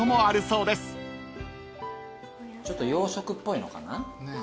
ちょっと洋食っぽいのかな。